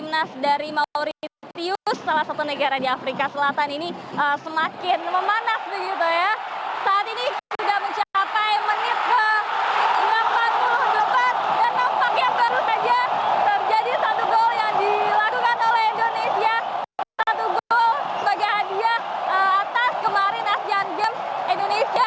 jadi satu gol yang dilakukan oleh indonesia satu gol sebagai hadiah atas kemarin asean games indonesia